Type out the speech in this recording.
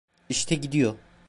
İşte gidiyor.